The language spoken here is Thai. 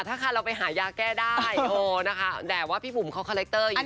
ถ้าคันเราไปหายาแก้ได้แดดว่าบุ๋มเค้าคาแรคเตอร์อยู่แล้ว